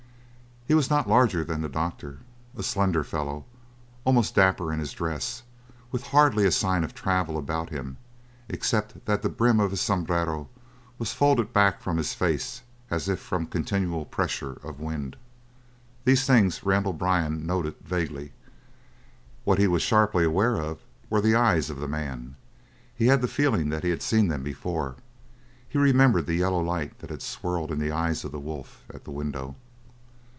He was not larger than the doctor; a slender fellow, almost dapper in his dress, with hardly a sign of travel about him, except that the brim of his sombrero was folded back from his face as if from continual pressure of wind. These things Randall Byrne noted vaguely; what he was sharply aware of were the eyes of the man. He had the feeling that he had seen them before; he remembered the yellow light that had swirled in the eyes of the wolf at the window.